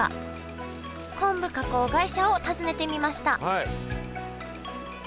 昆布加工会社を訪ねてみましたはい。